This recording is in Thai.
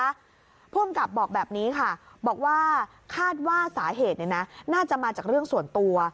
บ้างคะภูมิกับบอกแบบนี้ค่ะบอกว่าคาดว่าสาเหตุน่าจะมาจากเรื่องส่วนตัว